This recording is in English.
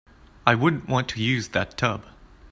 I wouldn't want to use that tub.